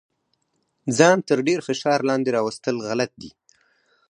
ځان تر ډیر فشار لاندې راوستل غلط دي.